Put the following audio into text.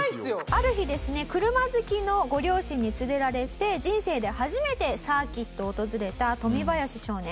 ある日ですね車好きのご両親に連れられて人生で初めてサーキットを訪れたトミバヤシ少年。